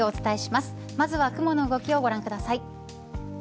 まずは雲の動きをご覧ください。